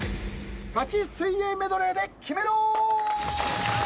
ガチ水泳メドレーでキメろ！